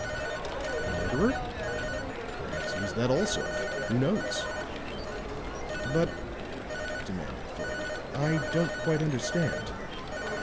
"The murderer?" "Perhaps he is that also who knows?" "But," demanded Fuller, "I don't quite understand."